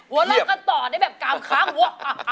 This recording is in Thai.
หัวเรากันต่อได้แบบกามคล้ามหัว